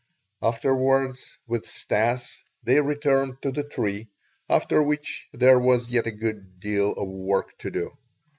Afterwards with Stas they returned to the tree, about which there was yet a good deal of work to do.